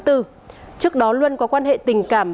trước đó luân có quan hệ tình cảm